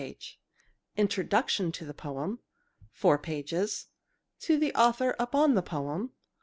1 " Introduction to the poem ..... 4 " To the author upon the poem